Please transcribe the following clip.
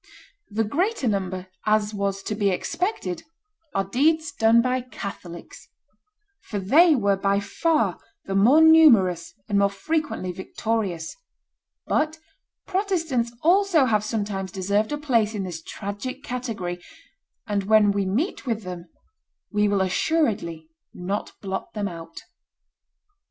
The greater number, as was to be expected, are deeds done by Catholics, for they were by far the more numerous and more frequently victorious; but Protestants also have sometimes deserved a place in this tragic category, and when we meet with them, we will assuredly not blot them out.